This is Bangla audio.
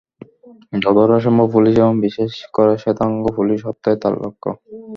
যতটা সম্ভব পুলিশ এবং বিশেষ করে শ্বেতাঙ্গ পুলিশ হত্যাই তাঁর লক্ষ্য।